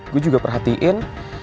gue juga perhatiin